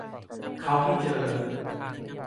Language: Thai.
เขาไม่เจอ